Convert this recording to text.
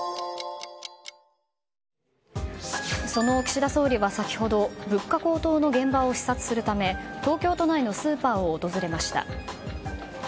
その岸田総理は先ほど物価高騰の現場を視察するため東京都内のスーパーを訪れました。